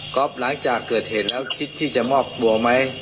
หลังจากเกิดเหตุแล้วคิดที่จะมอบตัวไหม